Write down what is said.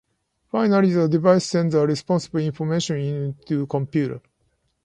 Finally, the device sends a response information unit to the computer.